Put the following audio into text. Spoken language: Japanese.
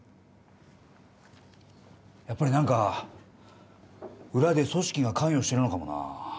やっぱり何か裏で組織が関与してるのかもな